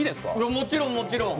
もちろん、もちろん。